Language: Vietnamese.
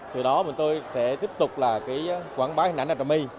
từ đó mình tôi sẽ tiếp tục quảng bá hình ảnh nam trà my